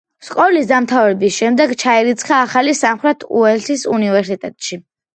სკოლის დამთავრების შემდეგ ჩაირიცხა ახალი სამხრეთ უელსის უნივერსიტეტში.